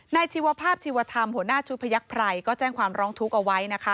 ชีวภาพชีวธรรมหัวหน้าชุดพยักษ์ไพรก็แจ้งความร้องทุกข์เอาไว้นะคะ